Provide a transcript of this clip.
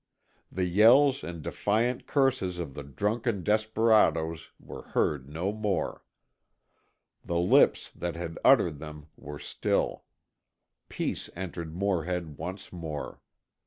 The yells and defiant curses of the drunken desperadoes were heard no more. The lips that had uttered them were still. Peace entered Morehead once more.